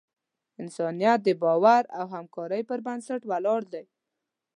انسانیت د باور او همکارۍ پر بنسټ ولاړ دی.